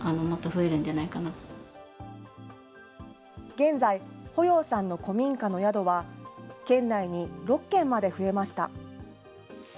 現在、保要さんの古民家の宿は、県内に６軒まで増えました。